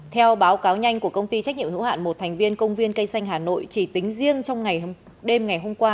theo báo cáo nhanh của công ty trách nhiệm hữu hạn một thành viên công viên cây xanh hà nội chỉ tính riêng trong đêm ngày hôm qua